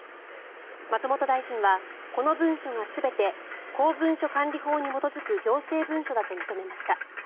松本大臣はこの文書が全て公文書管理法に基づく行政文書だと認めました。